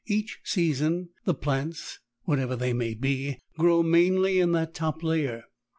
Each season the plants, whatever they may be, grow mainly in that top layer.